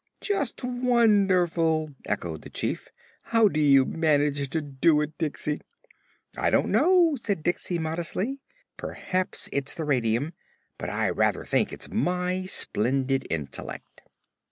"Just wonderful!" echoed the Chief. "How do you manage to do it, Diksey?" "I don't know," said Diksey modestly. "Perhaps it's the radium, but I rather think it's my splendid intellect."